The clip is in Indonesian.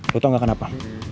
lo tau nggak kenapa